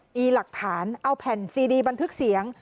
มีหลักฐานเอาแผ่นซีดีบันทึกเสียง